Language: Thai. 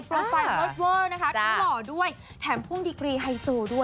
เปิดไฟฮอตเวิร์ดนะคะที่หล่อด้วยแถมพ่วงดิกรีไฮโซด้วย